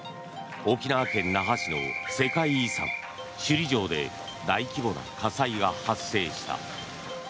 沖縄県那覇市の世界遺産首里城で大規模な火災が発生した。